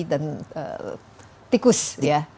dan tikus ya